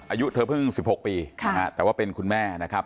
อายุเธอเพิ่ง๑๖ปีแต่ว่าเป็นคุณแม่นะครับ